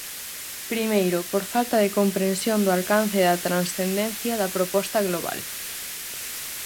Primeiro, por falta de comprensión do alcance da transcendencia da proposta global.